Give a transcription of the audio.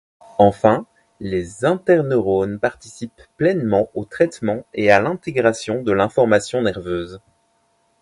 Enfin, les interneurones participent pleinement au traitement et à l'intégration de l'information nerveuse.